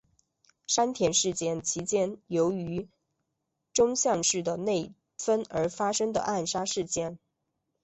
山田事件其间由于宗像氏的内纷而发生的暗杀事件。